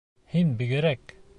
Һин бигерәк...